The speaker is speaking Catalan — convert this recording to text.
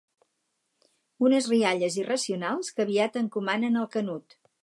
Unes rialles irracionals que aviat encomanen el Canut.